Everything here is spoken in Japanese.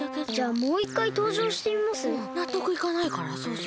なっとくいかないからそうする。